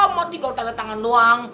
mau tinggal tandatangan doang